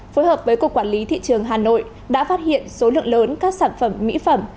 phối hợp với cục quản lý thị trường hà nội đã phát hiện số lượng lớn các sản phẩm mỹ phẩm